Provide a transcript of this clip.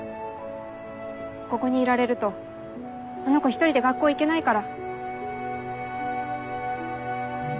ここにいられるとあの子１人で学校行けないから。